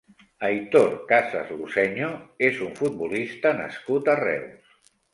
Aitor Casas Luceño és un futbolista nascut a Reus.